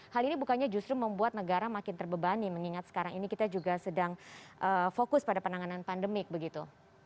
hal ini bukannya justru membuat negara makin terbebani mengingat sekarang ini kita juga sedang fokus pada penanganan pandemik begitu